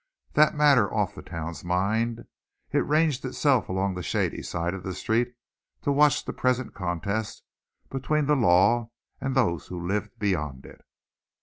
That matter off the town's mind, it ranged itself along the shady side of the street to watch the present contest between the law and those who lived beyond it.